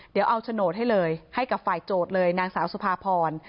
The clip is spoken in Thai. เดี๋ยวเอาโฉนดให้เลยให้กับฝ่ายโจทย์เลยนางสาวสุภาพร